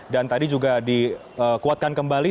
dan tadi juga di kuatkan kembali